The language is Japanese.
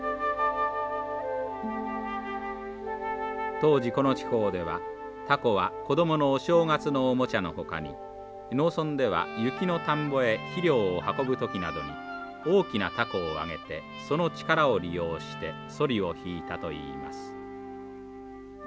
当時この地方ではたこは子どものお正月のおもちゃのほかに農村では雪の田んぼへ肥料を運ぶ時などに大きなたこを揚げてその力を利用してソリを引いたといいます。